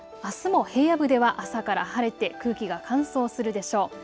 あすも平野部では朝から晴れて空気が乾燥するでしょう。